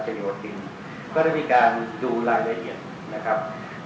ก็ได้พูดในง่ายว่าก็ได้เชิญเหนื่อยงานที่เกี่ยวข้องนะครับ